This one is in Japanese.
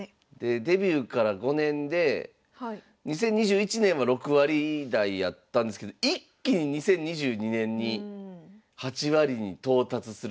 デビューから５年で２０２１年は６割台やったんですけど一気に２０２２年に８割に到達するという。